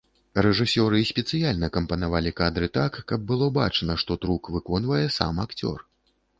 Рэжысёры спецыяльна кампанавалі кадры так, каб было бачна, што трук выконвае сам акцёр.